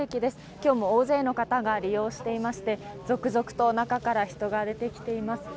今日も大勢の方が利用していまして、続々と中から人が出てきています。